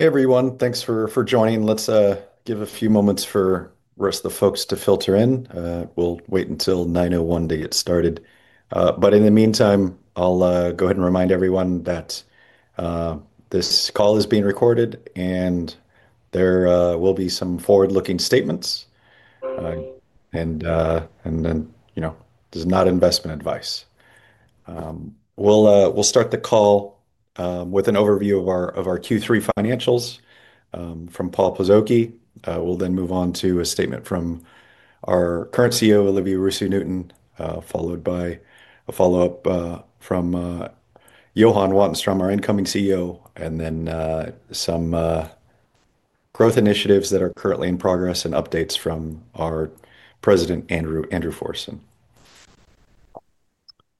Hey, everyone. Thanks for joining. Let's give a few moments for the rest of the folks to filter in. We'll wait until 9:01 to get started. In the meantime, I'll go ahead and remind everyone that this call is being recorded, and there will be some forward-looking statements. You know, this is not investment advice. We'll start the call with an overview of our Q3 financials from Paul Ptolemy. We'll then move on to a statement from our current CEO, Olivier Roussy Newton, followed by a follow-up from Johan Wattenstrom, our incoming CEO, and then some growth initiatives that are currently in progress and updates from our President, Andrew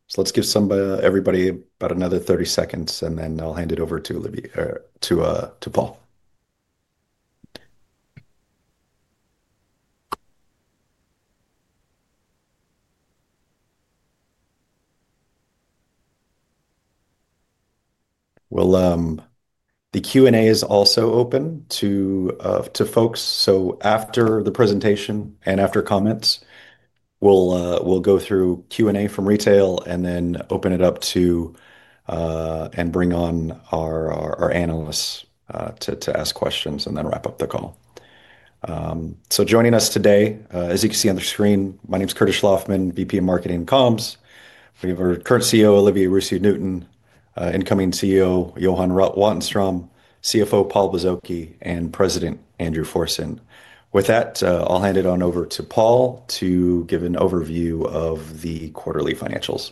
Forson. Let's give everybody about another 30 seconds, and then I'll hand it over to Paul. The Q&A is also open to folks. After the presentation and after comments, we'll go through Q&A from retail and then open it up to and bring on our analysts to ask questions and then wrap up the call. Joining us today, as you can see on the screen, my name is Curtis Schlaufman, VP of Marketing and Coms. We have our current CEO, Olivier Roussy Newton, incoming CEO, Johan Wattenstrom, CFO, Paul Bozoki, and President, Andrew Forson. With that, I'll hand it on over to Paul to give an overview of the quarterly financials.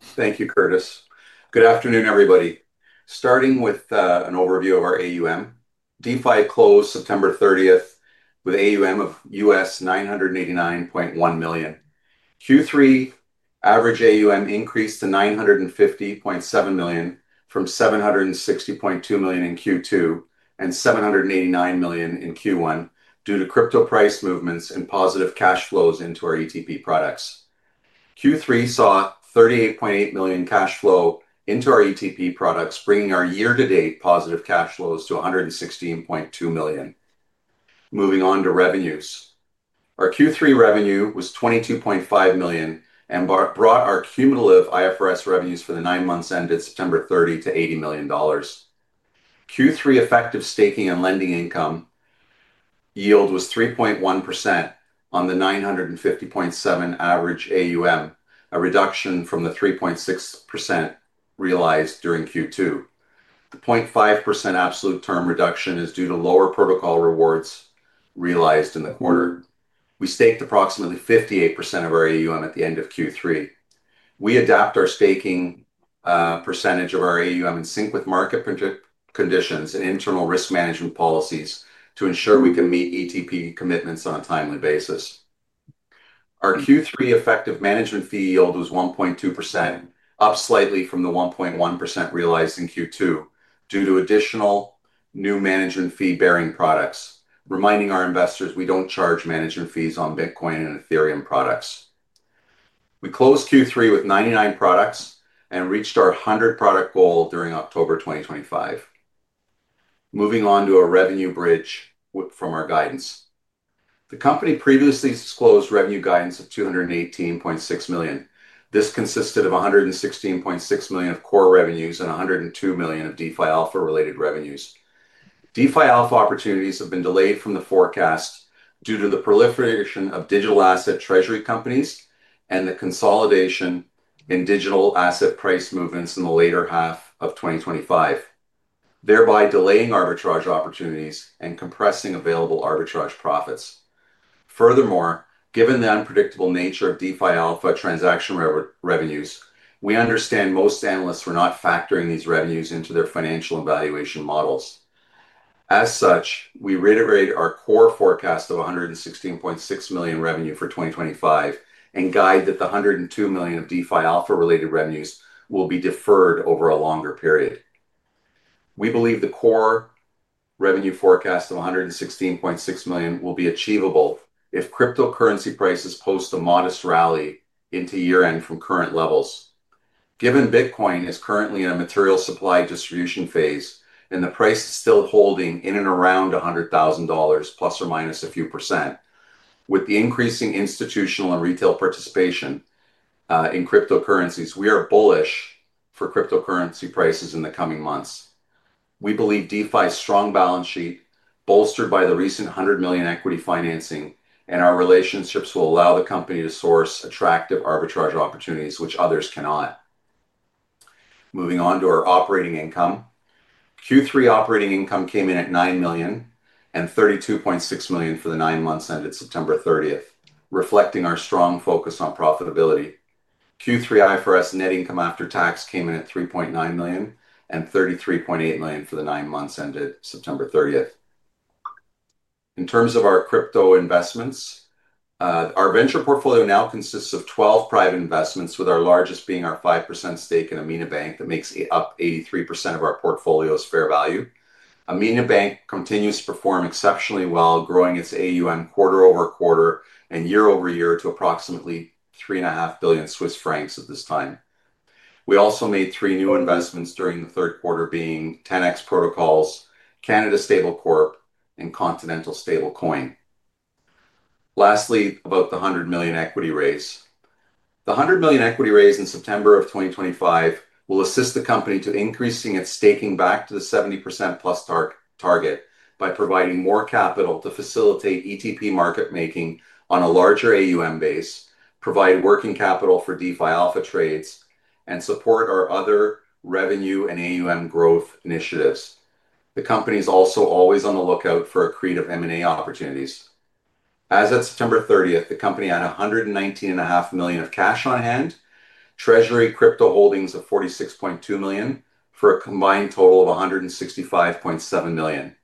Thank you, Curtis. Good afternoon, everybody. Starting with an overview of our AUM, DeFi closed September 30th with AUM of $989.1 million. Q3 average AUM increased to $950.7 million from $760.2 million in Q2 and $789 million in Q1 due to crypto price movements and positive cash flows into our ETP products. Q3 saw $38.8 million cash flow into our ETP products, bringing our year-to-date positive cash flows to $116.2 million. Moving on to revenues, our Q3 revenue was $22.5 million and brought our cumulative IFRS revenues for the nine months ended September 30 to $80 million. Q3 effective staking and lending income yield was 3.1% on the $950.7 million average AUM, a reduction from the 3.6% realized during Q2. The 0.5% absolute term reduction is due to lower protocol rewards realized in the quarter. We staked approximately 58% of our AUM at the end of Q3. We adapt our staking percentage of our AUM in sync with market conditions and internal risk management policies to ensure we can meet ETP commitments on a timely basis. Our Q3 effective management fee yield was 1.2%, up slightly from the 1.1% realized in Q2 due to additional new management fee-bearing products. Reminding our investors, we don't charge management fees on Bitcoin and Ethereum products. We closed Q3 with 99 products and reached our 100 product goal during October 2025. Moving on to a revenue bridge from our guidance. The company previously disclosed revenue guidance of $218.6 million. This consisted of $116.6 million of core revenues and $102 million of DeFi Alpha-related revenues. DeFi Alpha opportunities have been delayed from the forecast due to the proliferation of digital asset treasury companies and the consolidation in digital asset price movements in the later half of 2025, thereby delaying arbitrage opportunities and compressing available arbitrage profits. Furthermore, given the unpredictable nature of DeFi Alpha transaction revenues, we understand most analysts were not factoring these revenues into their financial evaluation models. As such, we reiterate our core forecast of $116.6 million revenue for 2025 and guide that the $102 million of DeFi Alpha-related revenues will be deferred over a longer period. We believe the core revenue forecast of $116.6 million will be achievable if cryptocurrency prices post a modest rally into year-end from current levels. Given Bitcoin is currently in a material supply distribution phase and the price is still holding in and around $100,000, plus or minus a few %, with the increasing institutional and retail participation in cryptocurrencies, we are bullish for cryptocurrency prices in the coming months. We believe DeFi's strong balance sheet, bolstered by the recent $100 million equity financing and our relationships, will allow the company to source attractive arbitrage opportunities, which others cannot. Moving on to our operating income, Q3 operating income came in at $9 million and $32.6 million for the nine months ended September 30th, reflecting our strong focus on profitability. Q3 IFRS net income after tax came in at $3.9 million and $33.8 million for the nine months ended September 30th. In terms of our crypto investments, our venture portfolio now consists of 12 private investments, with our largest being our 5% stake in Amina Bank that makes up 83% of our portfolio's fair value. Amina Bank continues to perform exceptionally well, growing its AUM quarter over quarter and year over year to approximately 3.5 billion Swiss francs at this time. We also made three new investments during the third quarter, being 10x Protocols, Canada Stable Corp, and Continental Stablecoin. Lastly, about the $100 million equity raise. The $100 million equity raise in September of 2025 will assist the company to increase its staking back to the 70%+ target by providing more capital to facilitate ETP market making on a larger AUM base, provide working capital for DeFi Alpha trades, and support our other revenue and AUM growth initiatives. The company is also always on the lookout for creative M&A opportunities. As of September 30, the company had $119.5 million of cash on hand, treasury crypto holdings of $46.2 million for a combined total of $165.7 million.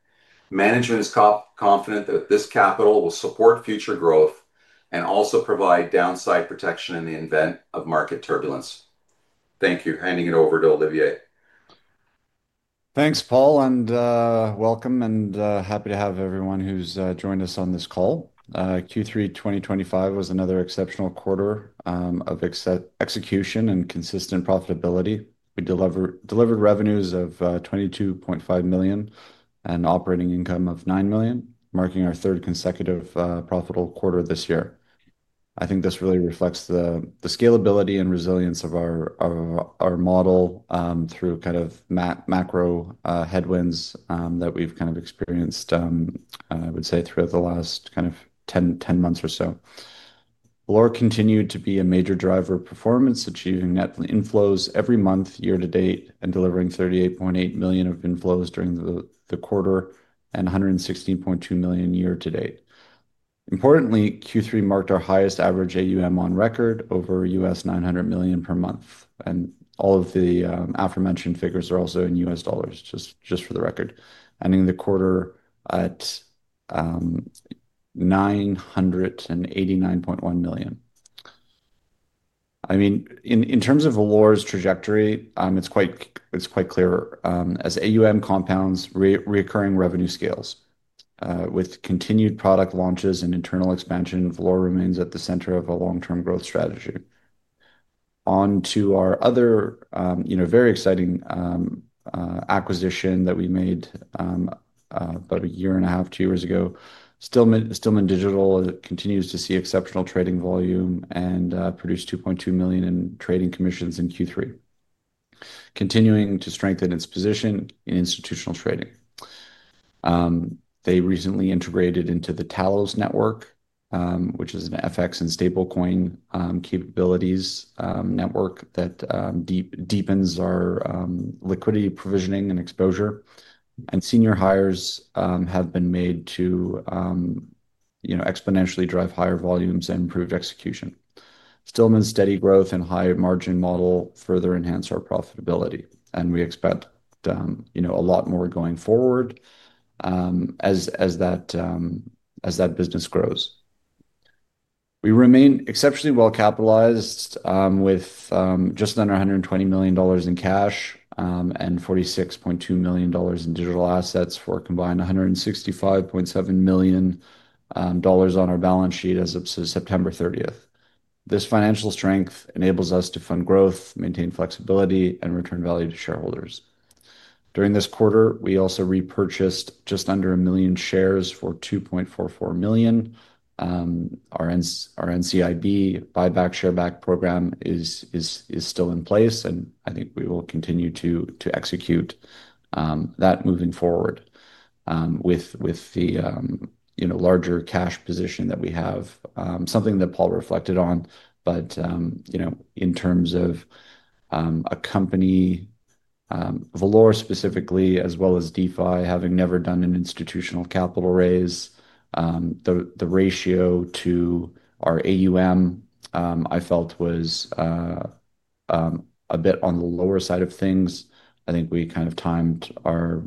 Management is confident that this capital will support future growth and also provide downside protection in the event of market turbulence. Thank you. Handing it over to Olivier. Thanks, Paul, and welcome, and happy to have everyone who's joined us on this call. Q3 2025 was another exceptional quarter of execution and consistent profitability. We delivered revenues of $22.5 million and operating income of $9 million, marking our third consecutive profitable quarter this year. I think this really reflects the scalability and resilience of our model through kind of macro headwinds that we've kind of experienced, I would say, throughout the last kind of 10 months or so. Valour continued to be a major driver of performance, achieving net inflows every month year-to-date and delivering $38.8 million of inflows during the quarter and $116.2 million year-to-date. Importantly, Q3 marked our highest average AUM on record over $900 million per month. All of the aforementioned figures are also in U.S. dollars, just for the record, ending the quarter at $989.1 million. I mean, in terms of Valour's trajectory, it's quite clear. As AUM compounds, recurring revenue scales with continued product launches and internal expansion, Valour remains at the center of a long-term growth strategy. On to our other very exciting acquisition that we made about a year and a half, two years ago. Stillman Digital continues to see exceptional trading volume and produce $2.2 million in trading commissions in Q3, continuing to strengthen its position in institutional trading. They recently integrated into the Talos network, which is an FX and stablecoin capabilities network that deepens our liquidity provisioning and exposure. Senior hires have been made to exponentially drive higher volumes and improve execution. Stillman's steady growth and high-margin model further enhance our profitability. We expect a lot more going forward as that business grows. We remain exceptionally well-capitalized with just under $120 million in cash and $46.2 million in digital assets for a combined $165.7 million on our balance sheet as of September 30th. This financial strength enables us to fund growth, maintain flexibility, and return value to shareholders. During this quarter, we also repurchased just under one million shares for $2.44 million. Our NCIB buyback, share back program is still in place, and I think we will continue to execute that moving forward with the larger cash position that we have, something that Paul reflected on. In terms of a company, Valour specifically, as well as DeFi, having never done an institutional capital raise, the ratio to our AUM, I felt, was a bit on the lower side of things. I think we kind of timed our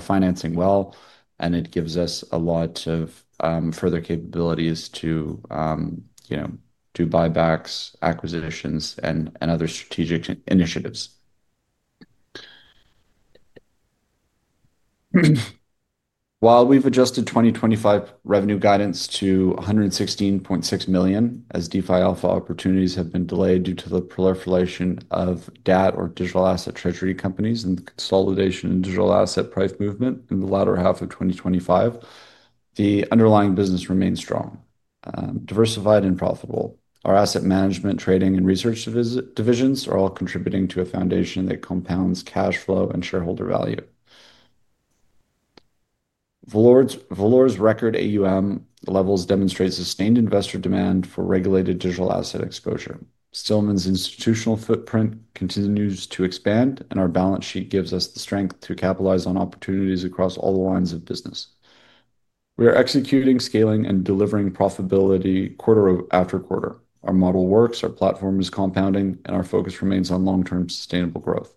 financing well, and it gives us a lot of further capabilities to do buybacks, acquisitions, and other strategic initiatives. While we've adjusted 2025 revenue guidance to $116.6 million as DeFi Alpha opportunities have been delayed due to the proliferation of digital asset treasury companies and the consolidation in digital asset price movement in the latter half of 2025, the underlying business remains strong, diversified, and profitable. Our asset management, trading, and research divisions are all contributing to a foundation that compounds cash flow and shareholder value. Valour's record AUM levels demonstrate sustained investor demand for regulated digital asset exposure. Stillman's institutional footprint continues to expand, and our balance sheet gives us the strength to capitalize on opportunities across all the lines of business. We are executing, scaling, and delivering profitability quarter after quarter. Our model works, our platform is compounding, and our focus remains on long-term sustainable growth.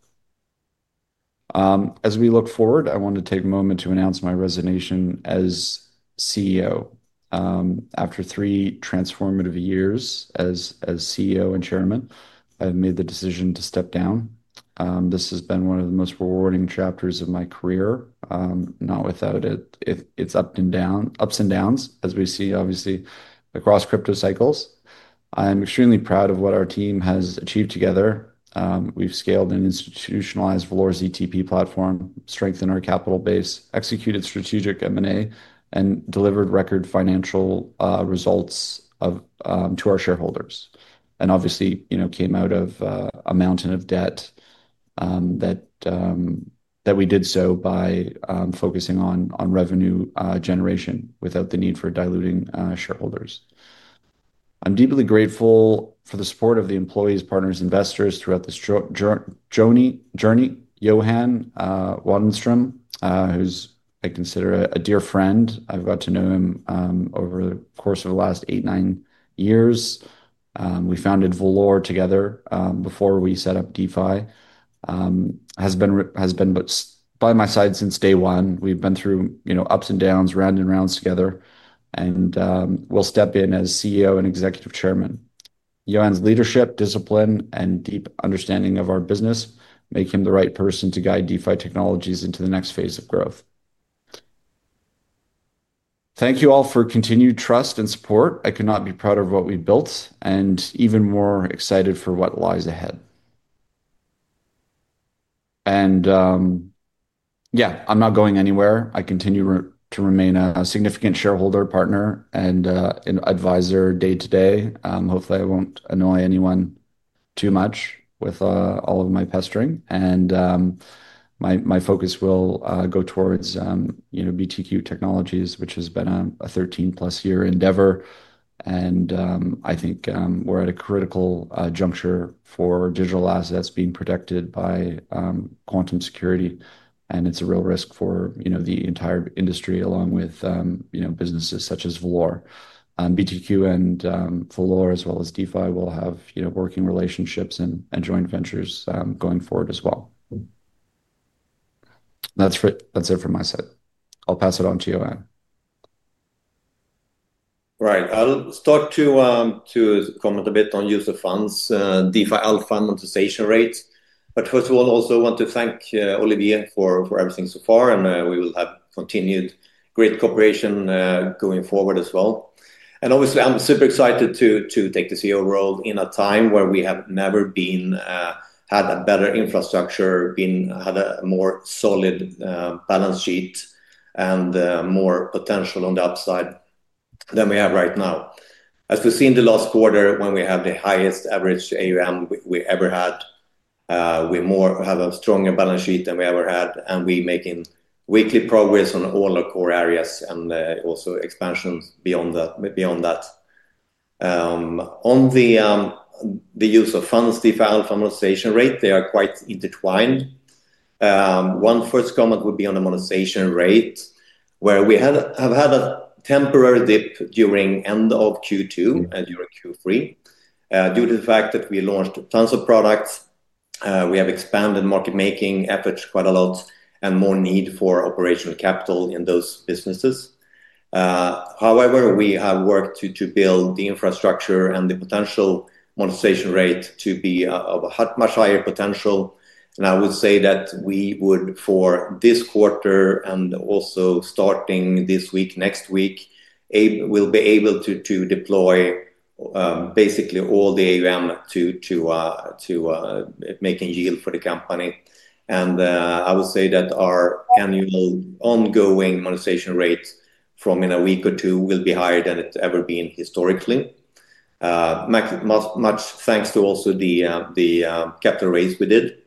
As we look forward, I want to take a moment to announce my resignation as CEO. After three transformative years as CEO and chairman, I have made the decision to step down. This has been one of the most rewarding chapters of my career, not without its ups and downs, as we see, obviously, across crypto cycles. I am extremely proud of what our team has achieved together. We've scaled and institutionalized Valour's ETP platform, strengthened our capital base, executed strategic M&A, and delivered record financial results to our shareholders. Obviously, came out of a mountain of debt that we did so by focusing on revenue generation without the need for diluting shareholders. I'm deeply grateful for the support of the employees, partners, investors throughout this journey. Johan Wattenstrom, who I consider a dear friend, I've got to know him over the course of the last eight, nine years. We founded Valour together before we set up DeFi. Has been by my side since day one. We've been through ups and downs, round and rounds together. He will step in as CEO and Executive Chairman. Johan's leadership, discipline, and deep understanding of our business make him the right person to guide DeFi Technologies into the next phase of growth. Thank you all for continued trust and support. I could not be prouder of what we've built and even more excited for what lies ahead. Yeah, I'm not going anywhere. I continue to remain a significant shareholder, partner, and advisor day to day. Hopefully, I won't annoy anyone too much with all of my pestering. My focus will go towards BTQ Technologies, which has been a 13-plus year endeavor. I think we are at a critical juncture for digital assets being protected by quantum security. It is a real risk for the entire industry, along with businesses such as Valour. BTQ and Valour, as well as DeFi, will have working relationships and joint ventures going forward as well. That is it from my side. I will pass it on to Johan. Right. I'll start to comment a bit on use of funds, DeFi Alpha amortization rates. First of all, I also want to thank Olivier for everything so far. We will have continued great cooperation going forward as well. Obviously, I'm super excited to take the CEO role in a time where we have never had a better infrastructure, had a more solid balance sheet, and more potential on the upside than we have right now. As we've seen the last quarter, when we have the highest average AUM we ever had, we have a stronger balance sheet than we ever had. We're making weekly progress on all our core areas and also expansions beyond that. On the use of funds, DeFi Alpha amortization rate, they are quite intertwined. One first comment would be on amortization rate, where we have had a temporary dip during the end of Q2 and during Q3 due to the fact that we launched tons of products. We have expanded market making efforts quite a lot and more need for operational capital in those businesses. However, we have worked to build the infrastructure and the potential amortization rate to be of a much higher potential. I would say that we would, for this quarter and also starting this week, next week, we'll be able to deploy basically all the AUM to making yield for the company. I would say that our annual ongoing amortization rate from in a week or two will be higher than it's ever been historically. Much thanks to also the capital raise we did,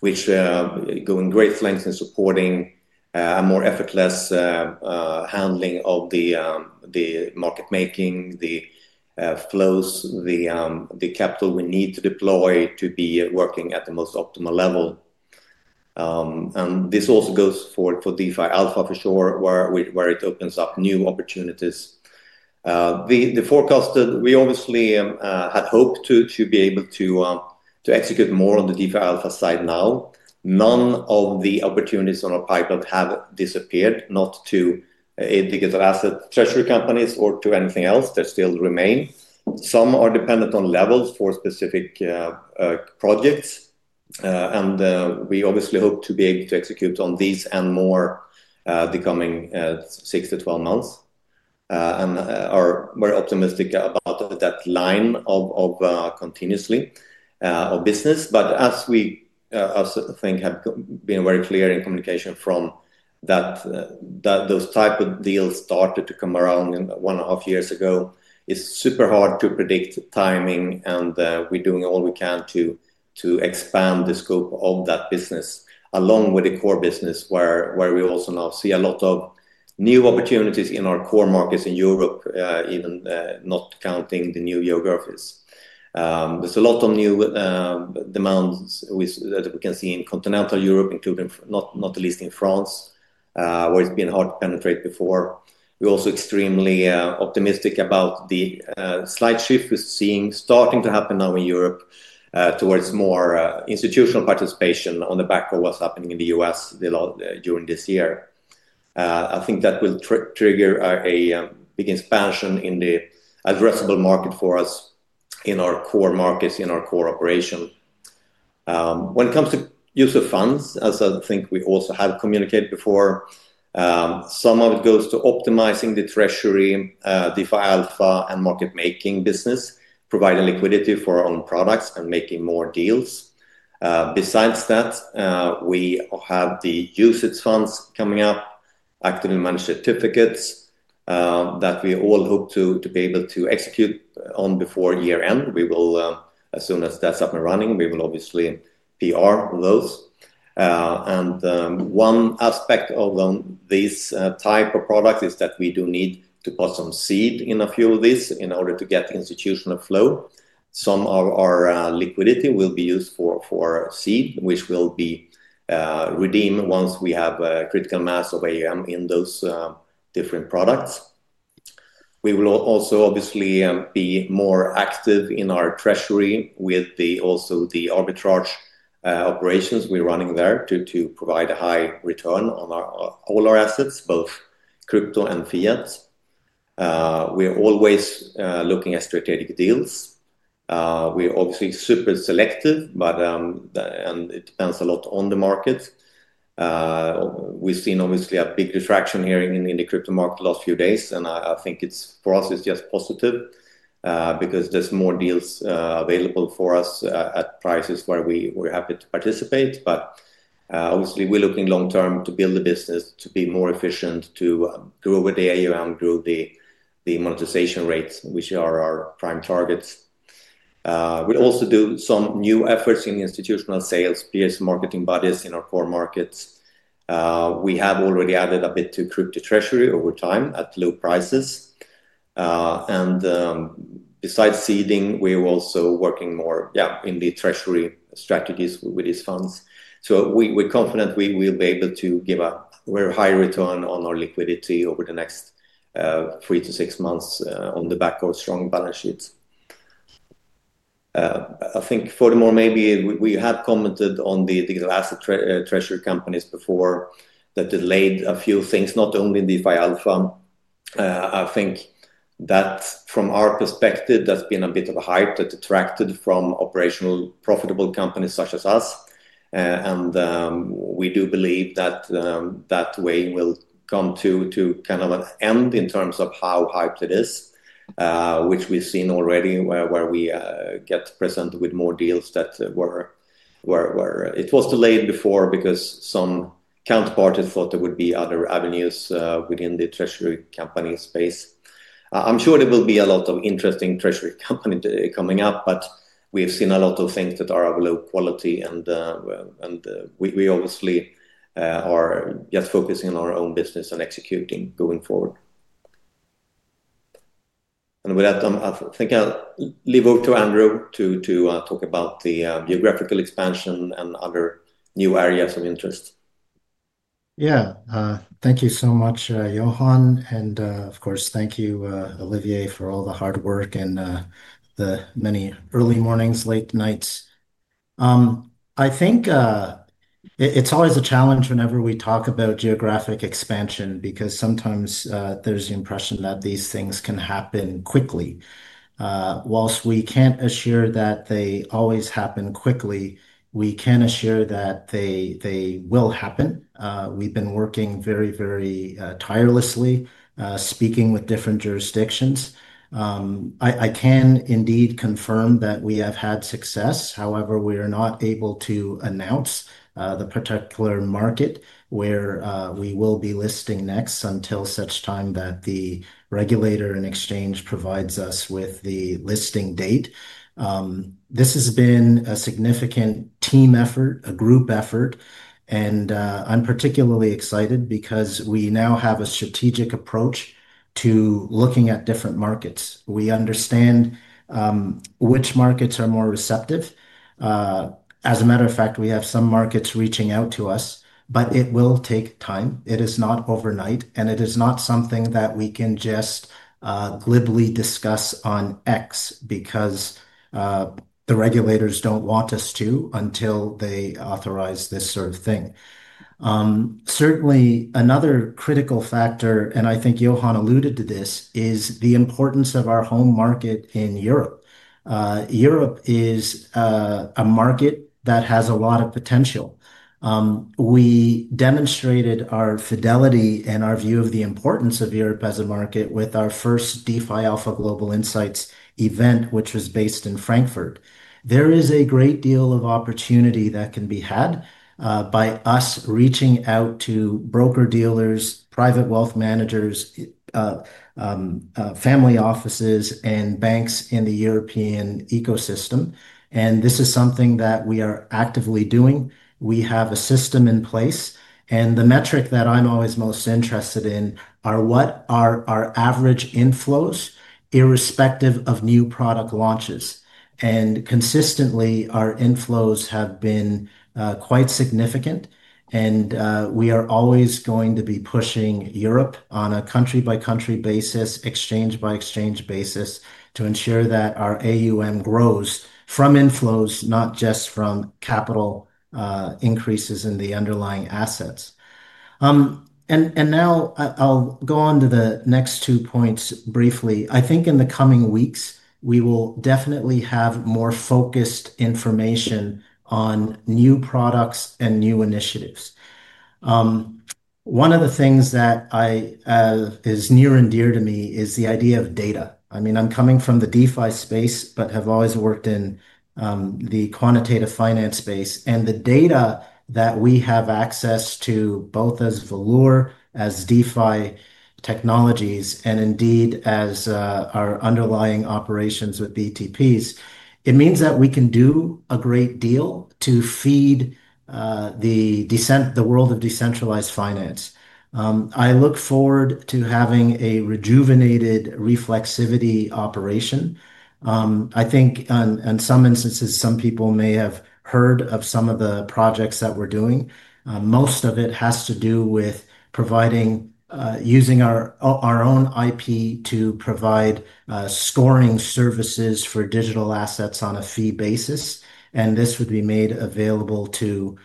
which go in great lengths in supporting a more effortless handling of the market making, the flows, the capital we need to deploy to be working at the most optimal level. This also goes for DeFi Alpha for sure, where it opens up new opportunities. We obviously had hoped to be able to execute more on the DeFi Alpha side now. None of the opportunities on our pipeline have disappeared, not to digital asset treasury companies or to anything else. They still remain. Some are dependent on levels for specific projects. We obviously hope to be able to execute on these and more the coming 6-12 months. We are optimistic about that line of continuously of business. As we think, have been very clear in communication from that, those type of deals started to come around one and a half years ago, it's super hard to predict timing. We're doing all we can to expand the scope of that business along with the core business, where we also now see a lot of new opportunities in our core markets in Europe, even not counting the new geographies. There's a lot of new demands that we can see in continental Europe, including not the least in France, where it's been hard to penetrate before. We're also extremely optimistic about the slight shift we're seeing starting to happen now in Europe towards more institutional participation on the back of what's happening in the U.S. during this year. I think that will trigger a big expansion in the addressable market for us in our core markets, in our core operation. When it comes to use of funds, as I think we also have communicated before, some of it goes to optimizing the treasury, DeFi Alpha and market making business, providing liquidity for our own products and making more deals. Besides that, we have the usage funds coming up, actively managed certificates that we all hope to be able to execute on before year-end. As soon as that's up and running, we will obviously PR those. One aspect of these type of products is that we do need to put some seed in a few of these in order to get institutional flow. Some of our liquidity will be used for seed, which will be redeemed once we have a critical mass of AUM in those different products. We will also obviously be more active in our treasury with also the arbitrage operations we're running there to provide a high return on all our assets, both crypto and fiat. We're always looking at strategic deals. We're obviously super selective, and it depends a lot on the market. We've seen obviously a big distraction here in the crypto market the last few days. I think for us, it's just positive because there's more deals available for us at prices where we're happy to participate. Obviously, we're looking long-term to build the business, to be more efficient, to grow with the AUM, grow the amortization rates, which are our prime targets. We also do some new efforts in institutional sales, peers and marketing buddies in our core markets. We have already added a bit to crypto treasury over time at low prices. Besides seeding, we're also working more in the treasury strategies with these funds. We're confident we'll be able to give a very high return on our liquidity over the next three to six months on the back of strong balance sheets. I think furthermore, maybe we have commented on the digital asset treasury companies before that delayed a few things, not only DeFi Alpha. I think that from our perspective, that's been a bit of a hype that attracted from operational profitable companies such as us. We do believe that that wave will come to kind of an end in terms of how hyped it is, which we've seen already where we get presented with more deals that were delayed before because some counterparts thought there would be other avenues within the treasury company space. I'm sure there will be a lot of interesting treasury companies coming up, but we've seen a lot of things that are of low quality. We obviously are just focusing on our own business and executing going forward. With that, I think I'll leave over to Andrew to talk about the geographical expansion and other new areas of interest. Yeah. Thank you so much, Johan. And of course, thank you, Olivier, for all the hard work and the many early mornings, late nights. I think it's always a challenge whenever we talk about geographic expansion because sometimes there's the impression that these things can happen quickly. Whilst we can't assure that they always happen quickly, we can assure that they will happen. We've been working very, very tirelessly speaking with different jurisdictions. I can indeed confirm that we have had success. However, we are not able to announce the particular market where we will be listing next until such time that the regulator and exchange provides us with the listing date. This has been a significant team effort, a group effort. I am particularly excited because we now have a strategic approach to looking at different markets. We understand which markets are more receptive. As a matter of fact, we have some markets reaching out to us, but it will take time. It is not overnight. It is not something that we can just glibly discuss on X because the regulators do not want us to until they authorize this sort of thing. Certainly, another critical factor, and I think Johan alluded to this, is the importance of our home market in Europe. Europe is a market that has a lot of potential. We demonstrated our fidelity and our view of the importance of Europe as a market with our first DeFi Alpha Global Insights event, which was based in Frankfurt. There is a great deal of opportunity that can be had by us reaching out to broker dealers, private wealth managers, family offices, and banks in the European ecosystem. This is something that we are actively doing. We have a system in place. The metric that I'm always most interested in are what are our average inflows irrespective of new product launches. Consistently, our inflows have been quite significant. We are always going to be pushing Europe on a country-by-country basis, exchange-by-exchange basis to ensure that our AUM grows from inflows, not just from capital increases in the underlying assets. Now I'll go on to the next two points briefly. I think in the coming weeks, we will definitely have more focused information on new products and new initiatives. One of the things that is near and dear to me is the idea of data. I mean, I'm coming from the DeFi space, but have always worked in the quantitative finance space. The data that we have access to both as Valour, as DeFi Technologies, and indeed as our underlying operations with BTPs, it means that we can do a great deal to feed the world of decentralized finance. I look forward to having a rejuvenated Reflexivity operation. I think in some instances, some people may have heard of some of the projects that we're doing. Most of it has to do with using our own IP to provide scoring services for digital assets on a fee basis. This would be made available to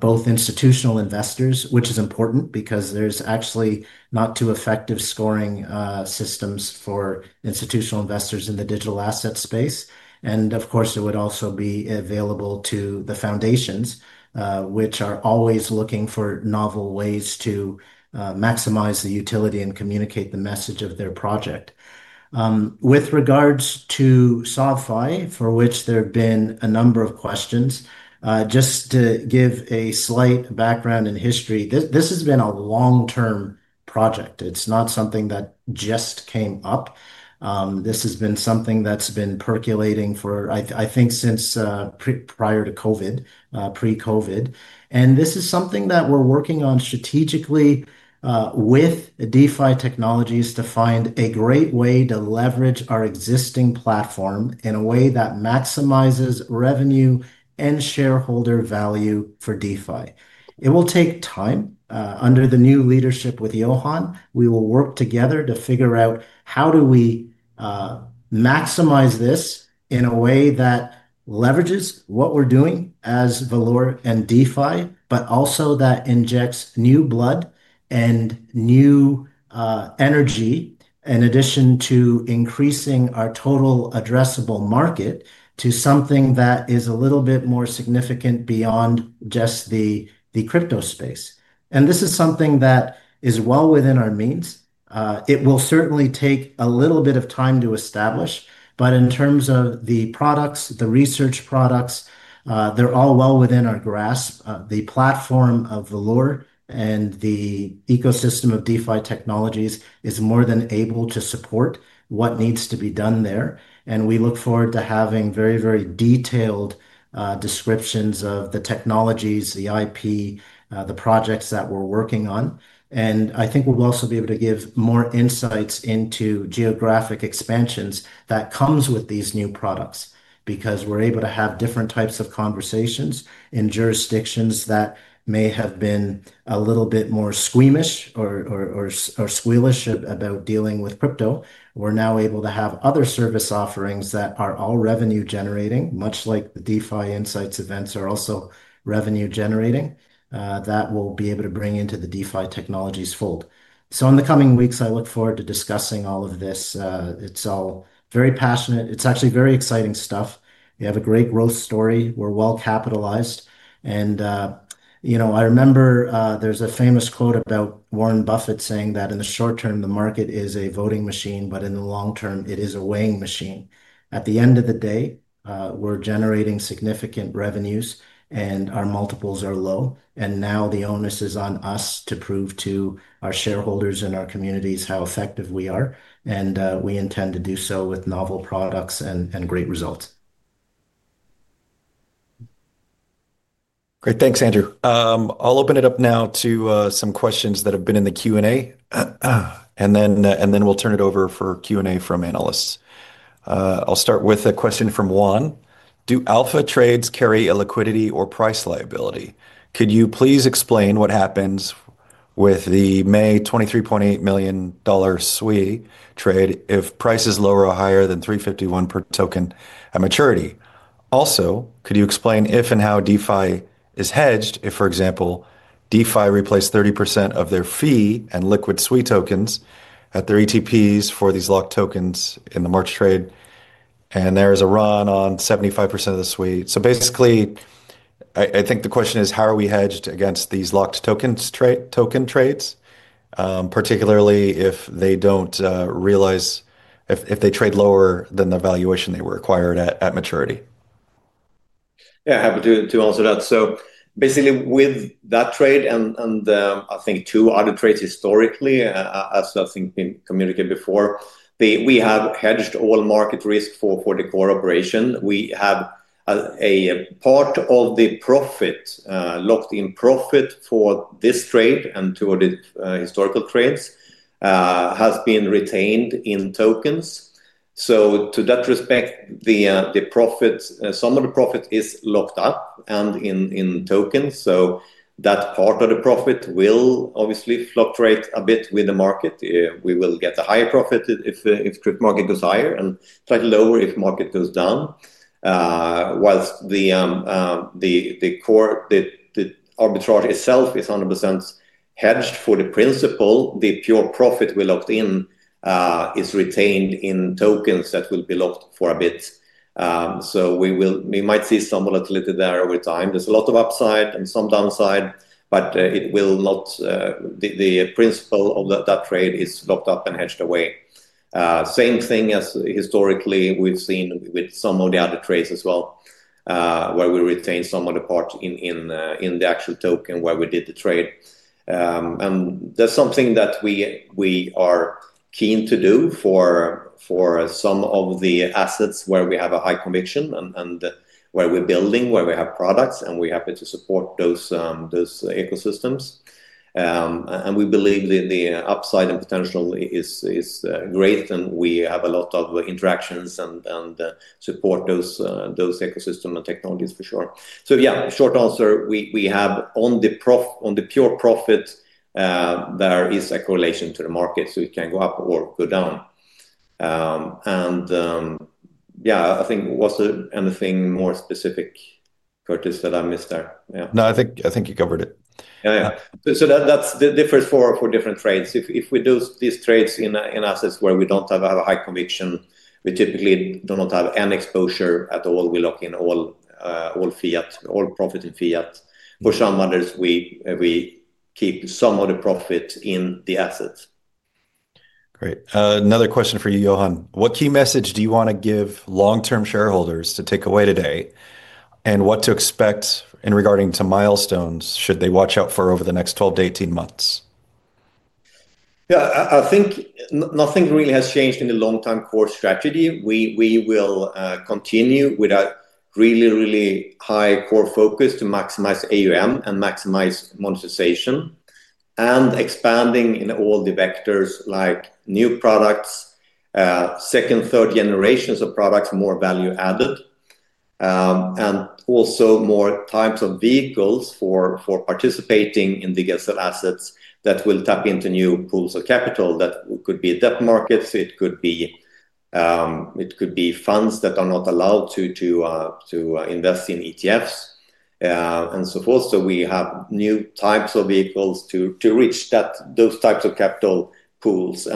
both institutional investors, which is important because there's actually not too effective scoring systems for institutional investors in the digital asset space. Of course, it would also be available to the foundations, which are always looking for novel ways to maximize the utility and communicate the message of their project. With regards to SOFI, for which there have been a number of questions, just to give a slight background and history, this has been a long-term project. It's not something that just came up. This has been something that's been percolating for, I think, since prior to COVID, pre-COVID. This is something that we're working on strategically with DeFi Technologies to find a great way to leverage our existing platform in a way that maximizes revenue and shareholder value for DeFi. It will take time. Under the new leadership with Johan, we will work together to figure out how do we maximize this in a way that leverages what we're doing as Valour and DeFi, but also that injects new blood and new energy in addition to increasing our total addressable market to something that is a little bit more significant beyond just the crypto space. This is something that is well within our means. It will certainly take a little bit of time to establish. In terms of the products, the research products, they are all well within our grasp. The platform of Valour and the ecosystem of DeFi Technologies is more than able to support what needs to be done there. We look forward to having very, very detailed descriptions of the technologies, the IP, the projects that we are working on. I think we will also be able to give more insights into geographic expansions that come with these new products because we are able to have different types of conversations in jurisdictions that may have been a little bit more squeamish or squealish about dealing with crypto. We're now able to have other service offerings that are all revenue-generating, much like the DeFi Insights events are also revenue-generating that we'll be able to bring into the DeFi Technologies fold. In the coming weeks, I look forward to discussing all of this. It's all very passionate. It's actually very exciting stuff. We have a great growth story. We're well capitalized. I remember there's a famous quote about Warren Buffett saying that in the short term, the market is a voting machine, but in the long term, it is a weighing machine. At the end of the day, we're generating significant revenues and our multiples are low. Now the onus is on us to prove to our shareholders and our communities how effective we are. We intend to do so with novel products and great results. Great. Thanks, Andrew. I'll open it up now to some questions that have been in the Q&A. Then we'll turn it over for Q&A from analysts. I'll start with a question from Juan. Do Alpha trades carry a liquidity or price liability? Could you please explain what happens with the May $23.8 million SWI trade if price is lower or higher than $3.51 per token at maturity? Also, could you explain if and how DeFi is hedged if, for example, DeFi replaced 30% of their fee and liquid SWI tokens at their ETPs for these locked tokens in the March trade? There is a run on 75% of the SWI. Basically, I think the question is, how are we hedged against these locked token trades, particularly if they do not realize if they trade lower than the valuation they were acquired at maturity? Yeah, happy to answer that. Basically, with that trade and I think two other trades historically, as I think has been communicated before, we have hedged all market risk for the core operation. We have a part of the profit, locked-in profit for this trade and two of the historical trades has been retained in tokens. To that respect, some of the profit is locked up and in tokens. That part of the profit will obviously fluctuate a bit with the market. We will get a higher profit if the crypto market goes higher and slightly lower if the market goes down. Whilst the arbitrage itself is 100% hedged for the principal, the pure profit we locked in is retained in tokens that will be locked for a bit. We might see some volatility there over time. is a lot of upside and some downside, but the principle of that trade is locked up and hedged away. Same thing as historically we have seen with some of the other trades as well, where we retain some of the part in the actual token where we did the trade. That is something that we are keen to do for some of the assets where we have a high conviction and where we are building, where we have products, and we are happy to support those ecosystems. We believe the upside and potential is great. We have a lot of interactions and support those ecosystems and technologies for sure. Short answer, we have on the pure profit, there is a correlation to the market. It can go up or go down. I think, was there anything more specific, Curtis, that I missed there? No, I think you covered it. Yeah, yeah. That differs for different trades. If we do these trades in assets where we do not have a high conviction, we typically do not have any exposure at all. We lock in all fiat, all profit in fiat. For some others, we keep some of the profit in the assets. Great. Another question for you, Johan. What key message do you want to give long-term shareholders to take away today? What to expect in regarding to milestones should they watch out for over the next 12 to 18 months? Yeah, I think nothing really has changed in the long-term core strategy. We will continue with a really, really high core focus to maximize AUM and maximize monetization and expanding in all the vectors like new products, second, third generations of products, more value added, and also more types of vehicles for participating in the assets that will tap into new pools of capital that could be a debt market. It could be funds that are not allowed to invest in ETFs and so forth. We have new types of vehicles to reach those types of capital pools.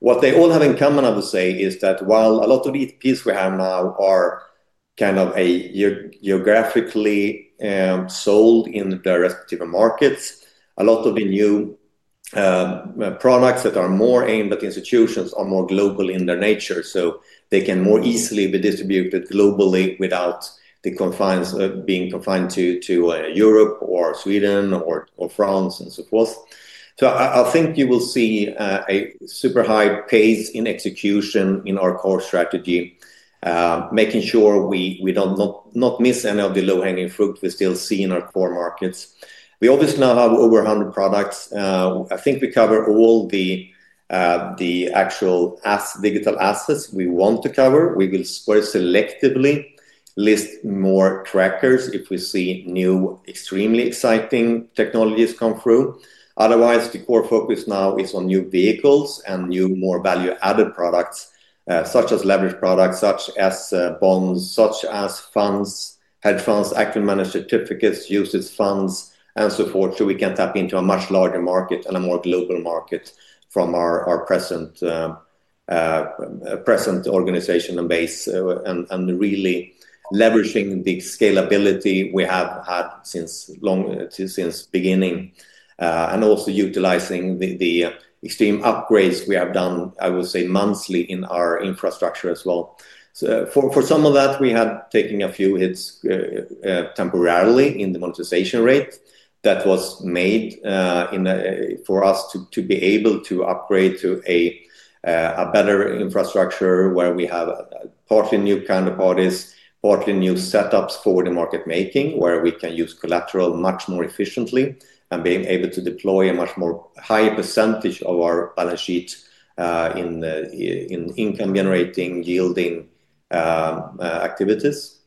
What they all have in common, I would say, is that while a lot of these pieces we have now are kind of geographically sold in their respective markets, a lot of the new products that are more aimed at institutions are more global in their nature. They can more easily be distributed globally without being confined to Europe or Sweden or France and so forth. I think you will see a super high pace in execution in our core strategy, making sure we do not miss any of the low-hanging fruit we still see in our core markets. We obviously now have over 100 products. I think we cover all the actual digital assets we want to cover. We will very selectively list more trackers if we see new extremely exciting technologies come through. Otherwise, the core focus now is on new vehicles and new more value-added products, such as leverage products, such as bonds, such as funds, hedge funds, active management certificates, usage funds, and so forth. We can tap into a much larger market and a more global market from our present organization and base and really leveraging the scalability we have had since beginning and also utilizing the extreme upgrades we have done, I would say, monthly in our infrastructure as well. For some of that, we had taken a few hits temporarily in the monetization rate that was made for us to be able to upgrade to a better infrastructure where we have partly new counterparties, partly new setups for the market making where we can use collateral much more efficiently and being able to deploy a much more higher percentage of our balance sheet in income-generating yielding activities.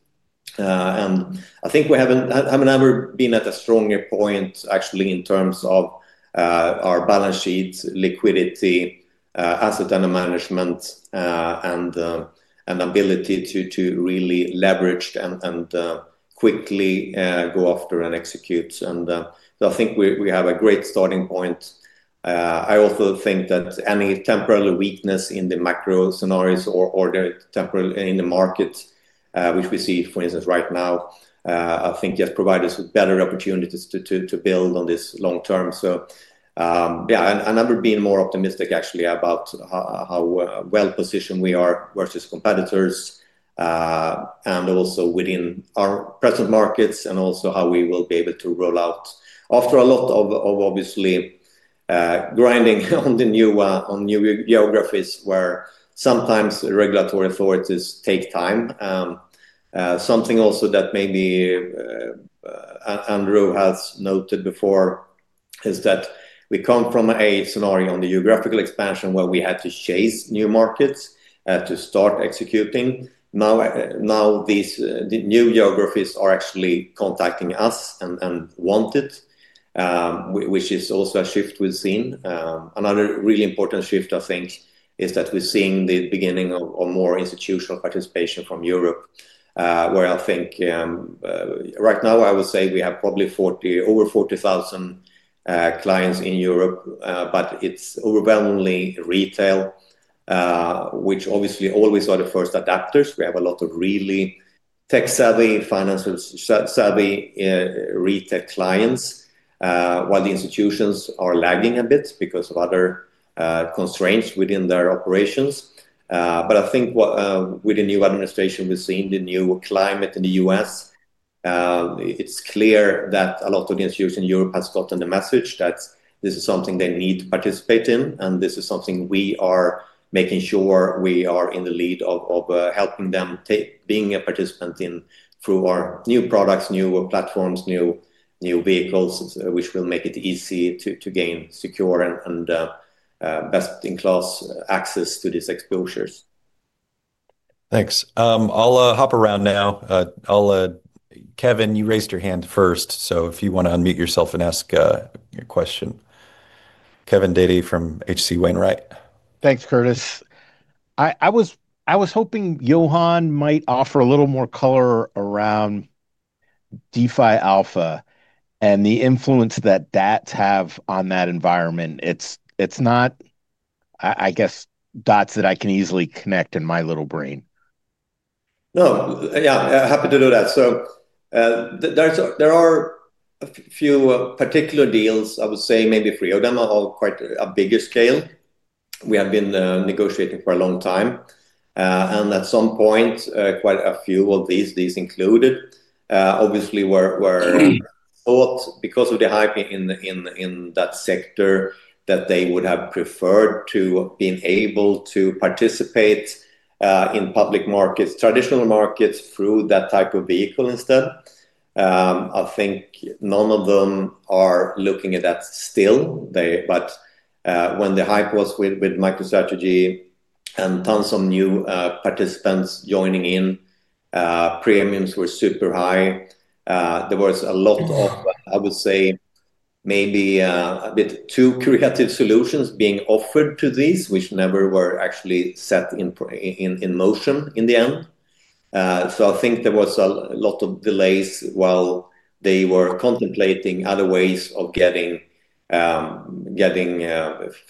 I think we haven't ever been at a stronger point, actually, in terms of our balance sheets, liquidity, asset under management, and ability to really leverage and quickly go after and execute. I think we have a great starting point. I also think that any temporary weakness in the macro scenarios or temporary in the market, which we see, for instance, right now, just provides us with better opportunities to build on this long term. Yeah, I've never been more optimistic, actually, about how well-positioned we are versus competitors and also within our present markets and also how we will be able to roll out after a lot of, obviously, grinding on the new geographies where sometimes regulatory authorities take time. Something also that maybe Andrew has noted before is that we come from a scenario on the geographical expansion where we had to chase new markets to start executing. Now these new geographies are actually contacting us and want it, which is also a shift we've seen. Another really important shift, I think, is that we're seeing the beginning of more institutional participation from Europe, where I think right now, I would say we have probably over 40,000 clients in Europe, but it's overwhelmingly retail, which obviously always are the first adopters. We have a lot of really tech-savvy, financial-savvy retail clients, while the institutions are lagging a bit because of other constraints within their operations. I think with the new administration, we've seen the new climate in the U.S. It's clear that a lot of the institutions in Europe have gotten the message that this is something they need to participate in, and this is something we are making sure we are in the lead of helping them being a participant in through our new products, new platforms, new vehicles, which will make it easy to gain secure and best-in-class access to these exposures. Thanks. I'll hop around now. Kevin, you raised your hand first. If you want to unmute yourself and ask your question. Kevin Dede from HC Wainwright. Thanks, Curtis. I was hoping Johan might offer a little more color around DeFi Alpha and the influence that DATS have on that environment. It's not, I guess, DATS that I can easily connect in my little brain. No, yeah, happy to do that. There are a few particular deals, I would say, maybe three of them, are quite a bigger scale. We have been negotiating for a long time. At some point, quite a few of these included, obviously, were thought because of the hype in that sector that they would have preferred to be able to participate in public markets, traditional markets through that type of vehicle instead. I think none of them are looking at that still. When the hype was with MicroStrategy and tons of new participants joining in, premiums were super high. There was a lot of, I would say, maybe a bit too creative solutions being offered to these, which never were actually set in motion in the end. I think there was a lot of delays while they were contemplating other ways of getting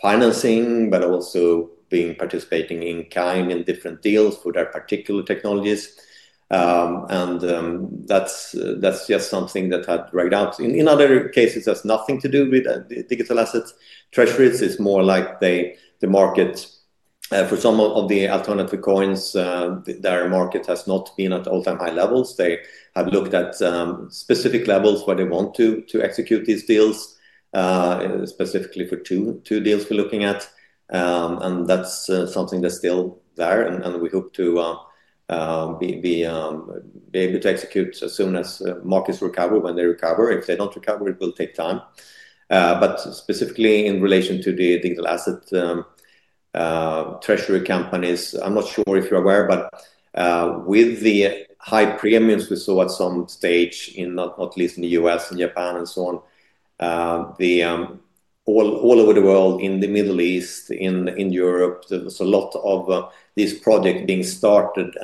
financing, but also being participating in kind in different deals for their particular technologies. That is just something that had dragged out. In other cases, it has nothing to do with digital assets. Treasuries is more like the market for some of the alternative coins. Their market has not been at all-time high levels. They have looked at specific levels where they want to execute these deals, specifically for two deals we are looking at. That is something that is still there. We hope to be able to execute as soon as markets recover when they recover. If they do not recover, it will take time. Specifically in relation to the digital asset treasury companies, I'm not sure if you're aware, but with the high premiums we saw at some stage, not least in the U.S. and Japan and so on, all over the world, in the Middle East, in Europe, there was a lot of these projects being started.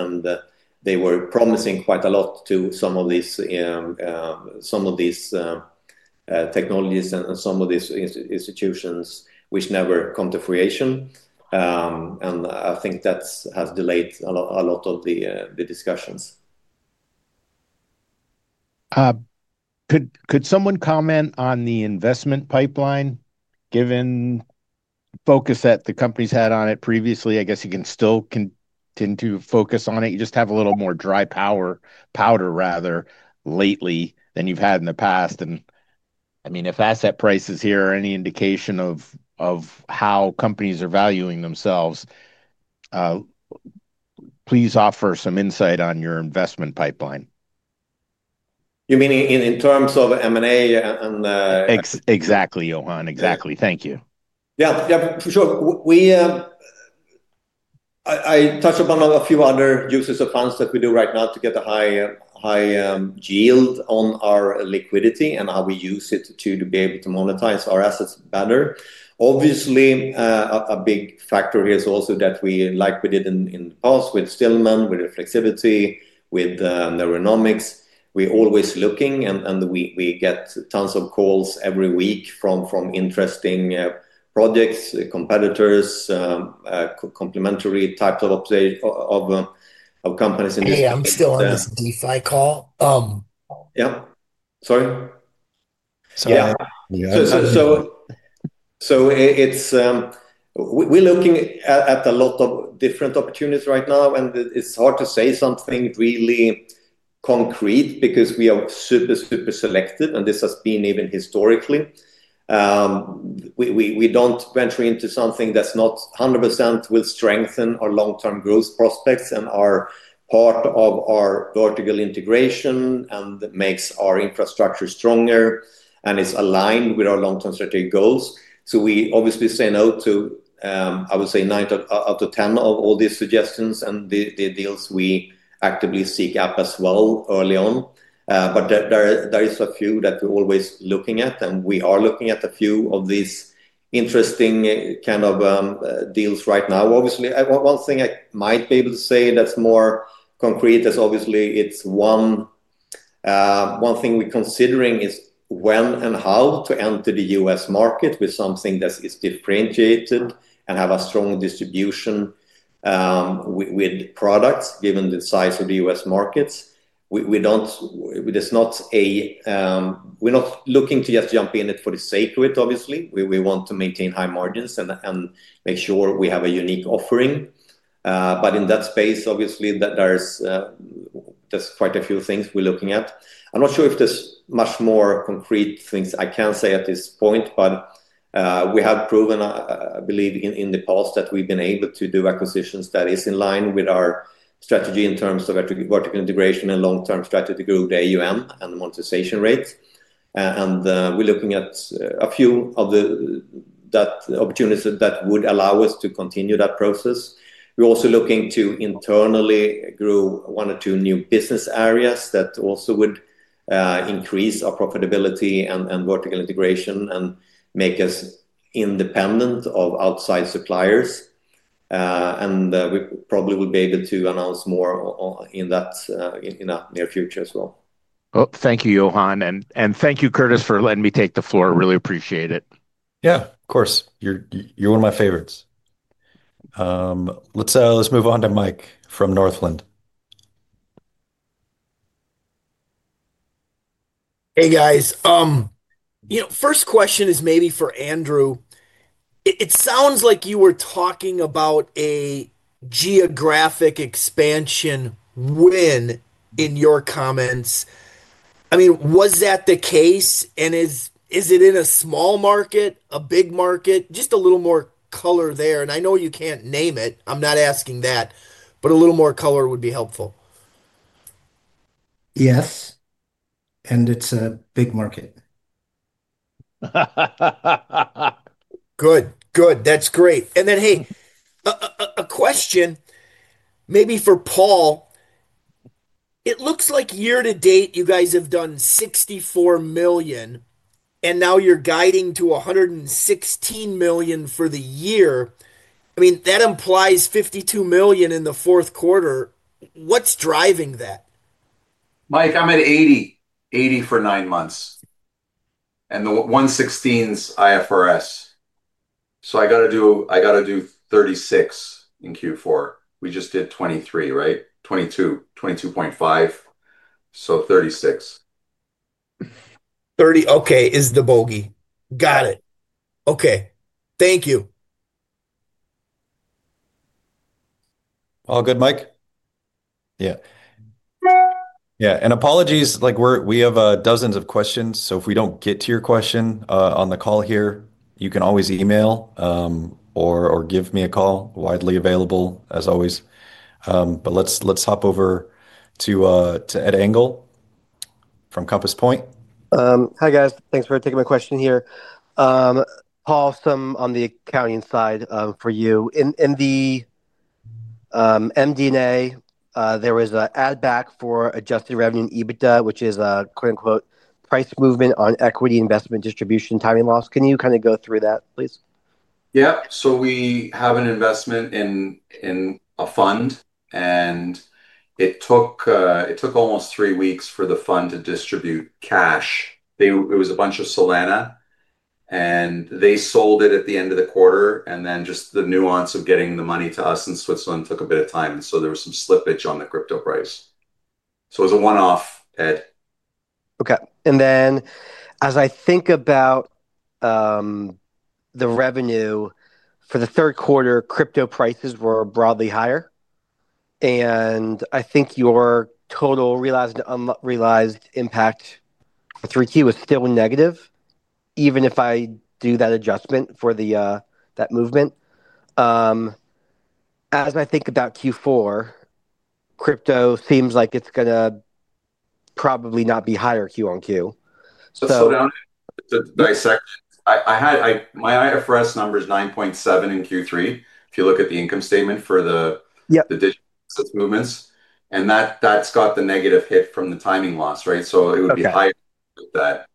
They were promising quite a lot to some of these technologies and some of these institutions, which never come to fruition. I think that has delayed a lot of the discussions. Could someone comment on the investment pipeline? Given the focus that the company has had on it previously, I guess you can still continue to focus on it. You just have a little more dry powder lately than you've had in the past. I mean, if asset prices here are any indication of how companies are valuing themselves, please offer some insight on your investment pipeline. You mean in terms of M&A? Exactly, Johan. Exactly. Thank you. Yeah, yeah, for sure. I touched upon a few other uses of funds that we do right now to get a high yield on our liquidity and how we use it to be able to monetize our assets better. Obviously, a big factor here is also that we, like we did in the past with Stillman, with Reflexivity, with Neuronomics, we're always looking, and we get tons of calls every week from interesting projects, competitors, complementary types of companies in this. Hey, I'm still on this DeFi call. Yeah. Sorry. Sorry. Yeah. We are looking at a lot of different opportunities right now. It is hard to say something really concrete because we are super, super selective. This has been even historically. We do not venture into something that is not 100% going to strengthen our long-term growth prospects and is part of our vertical integration and makes our infrastructure stronger and is aligned with our long-term strategic goals. We obviously say no to, I would say, 9 out of 10 of all these suggestions and the deals we actively seek out as well early on. There are a few that we are always looking at. We are looking at a few of these interesting kind of deals right now. Obviously, one thing I might be able to say that's more concrete is obviously it's one thing we're considering is when and how to enter the U.S. market with something that is differentiated and have a strong distribution with products given the size of the U.S. markets. We're not looking to just jump in it for the sake of it, obviously. We want to maintain high margins and make sure we have a unique offering. In that space, obviously, there's quite a few things we're looking at. I'm not sure if there's much more concrete things I can say at this point, but we have proven, I believe, in the past that we've been able to do acquisitions that are in line with our strategy in terms of vertical integration and long-term strategy to grow the AUM and the monetization rate. We are looking at a few of the opportunities that would allow us to continue that process. We are also looking to internally grow one or two new business areas that also would increase our profitability and vertical integration and make us independent of outside suppliers. We probably will be able to announce more in that in the near future as well. Thank you, Johan. Thank you, Curtis, for letting me take the floor. Really appreciate it. Yeah, of course. You're one of my favorites. Let's move on to Mike from Northland. Hey, guys. First question is maybe for Andrew. It sounds like you were talking about a geographic expansion win in your comments. I mean, was that the case? Is it in a small market, a big market? Just a little more color there. I know you can't name it. I'm not asking that, but a little more color would be helpful. Yes. It's a big market. Good. Good. That's great. Hey, a question maybe for Paul. It looks like year to date, you guys have done $64 million, and now you're guiding to $116 million for the year. I mean, that implies $52 million in the fourth quarter. What's driving that? Mike, I'm at 80, 80 for nine months and 116's IFRS. So I got to do 36 in Q4. We just did 23, right? 22, 22.5. So 36. Okay. Is the bogey. Got it. Okay. Thank you. All good, Mike? Yeah. Yeah. Apologies. We have dozens of questions. If we do not get to your question on the call here, you can always email or give me a call. Widely available, as always. Let's hop over to Ed Engel from Compass Point. Hi, guys. Thanks for taking my question here. Paul, some on the accounting side for you. In the MD&A, there was an add-back for adjusted revenue in EBITDA, which is a "price movement on equity investment distribution timing loss." Can you kind of go through that, please? Yeah. So we have an investment in a fund, and it took almost three weeks for the fund to distribute cash. It was a bunch of Solana, and they sold it at the end of the quarter. Just the nuance of getting the money to us in Switzerland took a bit of time. There was some slippage on the crypto price. It was a one-off, Ed. Okay. As I think about the revenue for the third quarter, crypto prices were broadly higher. I think your total realized impact for Q3 was still negative, even if I do that adjustment for that movement. As I think about Q4, crypto seems like it is going to probably not be higher Q on Q. Slow down. It's a dissection. My IFRS number is $9.7 million in Q3, if you look at the income statement for the digital asset movements. And that's got the negative hit from the timing loss, right? So it would be higher than that.